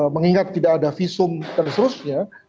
mengingat tidak ada visum dan seterusnya